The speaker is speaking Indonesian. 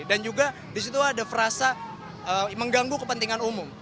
dan juga disitu ada frasa mengganggu kepentingan umum